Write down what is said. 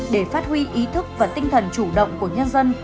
để phát huy ý thức và tinh thần chủ động của nhân dân